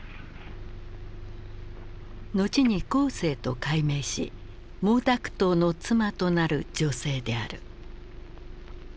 後に「江青」と改名し毛沢東の妻となる女性である。